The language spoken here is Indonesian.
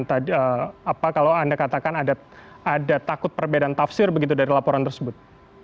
apa kalau anda katakan ada takut perbedaan tafsir begitu dari laporan tersebut